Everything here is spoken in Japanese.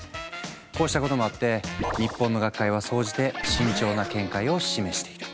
こうしたこともあって日本の学会は総じて慎重な見解を示している。